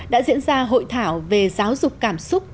đã diễn ra hội thảo về giáo dục cảm xúc